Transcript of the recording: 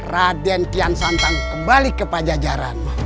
raden kian santang kembali ke pajajaran